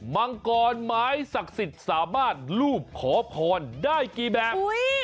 มังกรหมายศักดิ์สามารถลูบขอบควรได้กี่แบบ